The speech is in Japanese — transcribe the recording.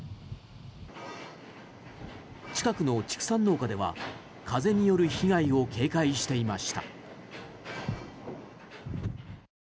近くの畜産農家では風による被害を警戒していました。